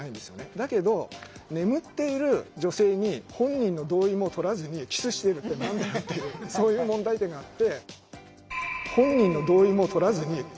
だけど眠っている女性に本人の同意もとらずにキスしてるって何だよっていうそういう問題点があって。